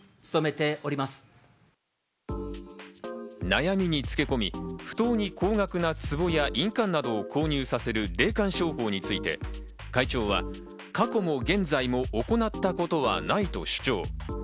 悩みにつけ込み、不当に高額な壺や印鑑などを購入させる霊感商法について会長は過去も現在も行ったことはないと主張。